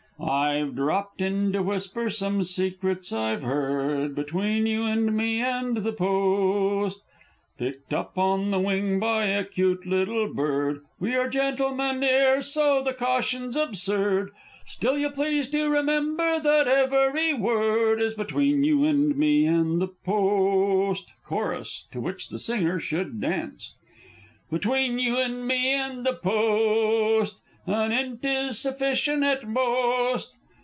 _) I've dropped in to whisper some secrets I've heard. Between you and me and the Post! Picked up on the wing by a 'cute little bird. We are gentlemen 'ere so the caution's absurd, Still, you'll please to remember that every word Is between you and me and the Post! Chorus (to which the singer should dance). Between you and me and the Post! An 'int is sufficient at most.